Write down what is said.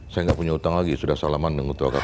saya nggak punya utang lagi sudah salaman dengan ketua kpk